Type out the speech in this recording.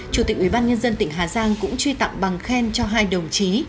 chủ tịch ubnd tỉnh hà giang cũng truy tặng bằng khen cho hai đồng chí